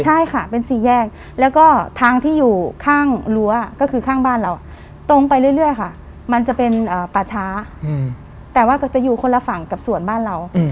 ใช่ค่ะเป็นสี่แยกแล้วก็ทางที่อยู่ข้างรั้วก็คือข้างบ้านเราตรงไปเรื่อยค่ะมันจะเป็นป่าช้าแต่ว่าก็จะอยู่คนละฝั่งกับส่วนบ้านเรา